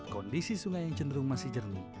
kondisi sungai yang cenderung masih jernih